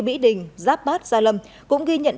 mỹ đình giáp bát gia lâm cũng ghi nhận